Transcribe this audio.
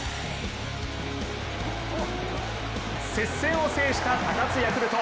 接戦を制した高津ヤクルト。